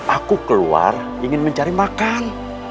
aku keluar ingin mencari makan